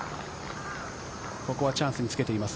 ここはチャンスにつけています。